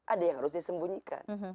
ada yang harus disembunyikan